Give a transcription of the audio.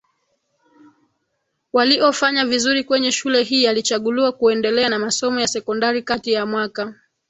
waliofanya vizuri kwenye shule hii alichaguliwa kuendelea na masomo ya sekondariKati ya mwaka